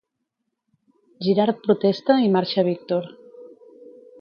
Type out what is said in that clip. Girard protesta i marxa Víctor.